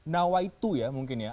nah why dua ya mungkin ya